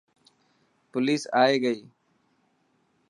پوليس آئي هي.